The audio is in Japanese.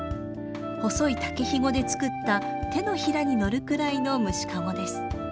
細い竹ひごで作った手のひらにのるくらいの虫かごです。